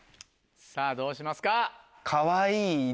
さぁどうしますか？